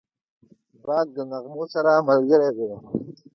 باد د نغمو سره ملګری دی